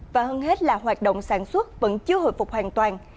và hơn hết là hoạt động sản xuất vẫn chưa hồi phục hoàn toàn